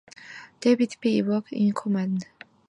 David D. Work in command.